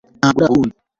ntabwo ndagukunda